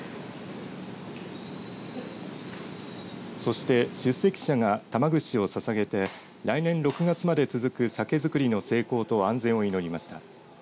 そして出席者が玉串をささげて来年６月まで続く酒造りの成功と安全を祈りました。